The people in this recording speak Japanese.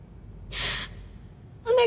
お願い。